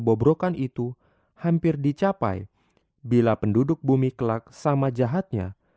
sampai jumpa di video selanjutnya